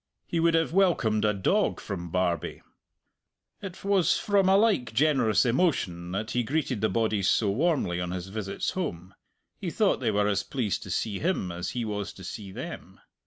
He would have welcomed a dog from Barbie. It was from a like generous emotion that he greeted the bodies so warmly on his visits home he thought they were as pleased to see him as he was to see them.